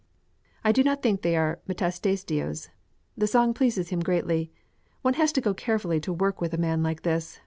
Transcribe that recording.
I do not think they are Metastasio's. The song pleases him greatly. One has to go carefully to work with a man like this.